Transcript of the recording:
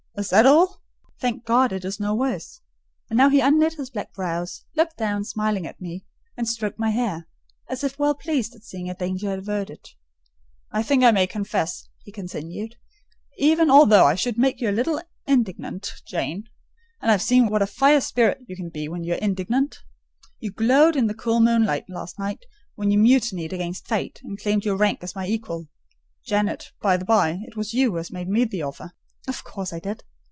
"Is that all? Thank God it is no worse!" And now he unknit his black brows; looked down, smiling at me, and stroked my hair, as if well pleased at seeing a danger averted. "I think I may confess," he continued, "even although I should make you a little indignant, Jane—and I have seen what a fire spirit you can be when you are indignant. You glowed in the cool moonlight last night, when you mutinied against fate, and claimed your rank as my equal. Janet, by the bye, it was you who made me the offer." "Of course I did.